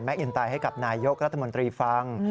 อินไตให้กับนายกรัฐมนตรีฟัง